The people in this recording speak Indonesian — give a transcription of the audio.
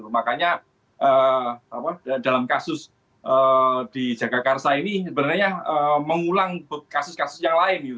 makanya dalam kasus di jagakarsa ini sebenarnya mengulang kasus kasus yang lain